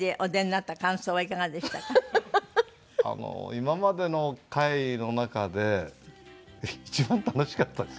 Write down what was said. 今までの回の中で一番楽しかったです。